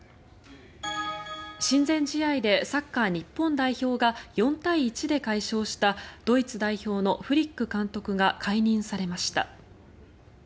親善試合でサッカー日本代表が４対１で快勝したドイツ代表のフリック監督が解任されました。